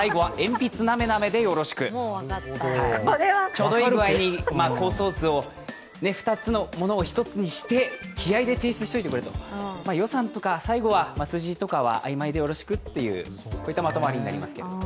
ちょうどいい具合に構想図を２つのものを１つにして気合いで提出しといてくれと予算とか、最後は数字とか曖昧でよろしくっていうこういうまとまりになりますけれども。